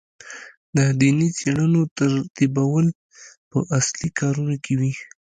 د دیني څېړنو ترتیبول په اصلي کارونو کې وي.